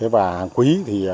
và hàng quý